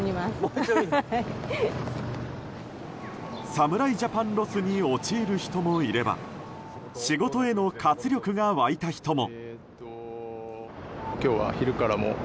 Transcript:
侍ジャパンロスに陥る人もいれば仕事への活力が湧いた人も。